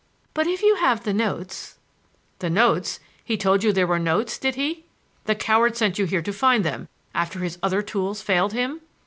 But if you have the notes—" "The notes! He told you there were notes, did he? The coward sent you here to find them, after his other tools failed him?"